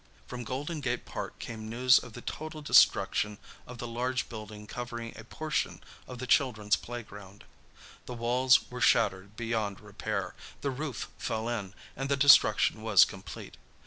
From Golden Gate Park came news of the total destruction of the large building covering a portion of the children's playground. The walls were shattered beyond repair, the roof fell in, and the destruction was complete.